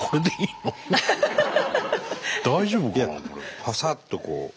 いやパサッとこう。